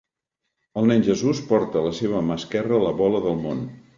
El Nen Jesús porta a la seva mà esquerra la bola del món.